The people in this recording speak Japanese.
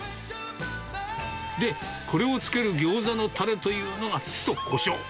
で、これをつけるギョーザのたれというのが、酢とこしょう。